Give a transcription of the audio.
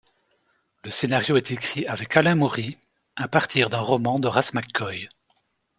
Le scénario est écrit avec Alain Moury, à partir d'un roman d'Horace McCoy.